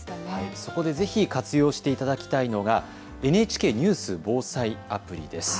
そこでぜひ活用していただきたいのがＮＨＫニュース・防災アプリです。